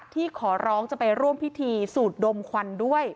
ขอร้องจะไปร่วมพิธีสูดดมควันด้วย